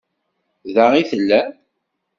Da i tellam?